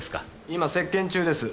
今接見中です